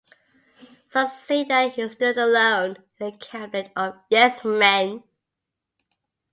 Some say that he stood alone in a cabinet of "yes men".